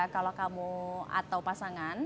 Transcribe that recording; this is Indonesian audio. kalau kamu atau pasangan